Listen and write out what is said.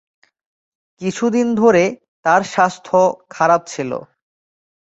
কিছুদিন ধরে তার স্বাস্থ্য খারাপ ছিল।